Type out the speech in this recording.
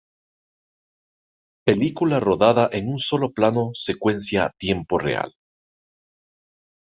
Película rodada en un solo plano secuencia a tiempo real.